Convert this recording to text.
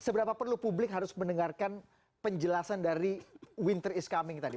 seberapa perlu publik harus mendengarkan penjelasan dari winter is coming tadi